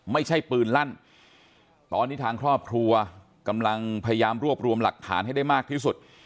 ไม่ใช่ปืนลั่นตอนนี้ทางครอบครัวกำลังพยายามรวบรวมหลักฐานให้ได้มากที่สุด